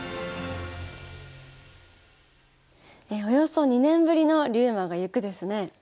およそ２年ぶりの「竜馬がゆく」ですね。